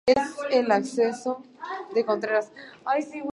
Es el Acceso de Contreras.